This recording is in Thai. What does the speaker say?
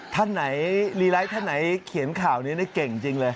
ท่านไหนรีไลท์ท่านไหนเขียนข่าวนี้ได้เก่งจริงเลย